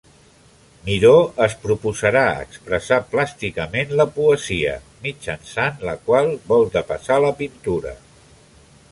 Miró es proposarà expressar plàsticament la poesia, mitjançant la qual vol depassar la pintura.